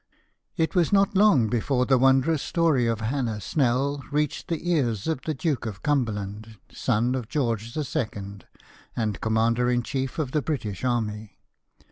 It was not long before the wondrous story of Hannah Snell reached the ears of the Duke of Cumberland, son of George II., and Commander in Chief of the British Army.